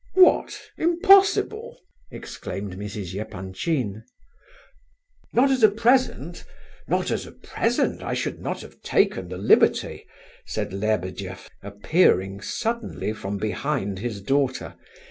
"What? Impossible!" exclaimed Mrs. Epanchin. "Not as a present, not as a present! I should not have taken the liberty," said Lebedeff, appearing suddenly from behind his daughter.